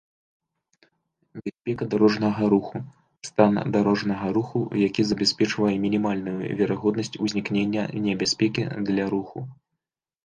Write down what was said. бяспека дарожнага руху — стан дарожнага руху, які забяспечвае мінімальную верагоднасць узнікнення небяспекі для руху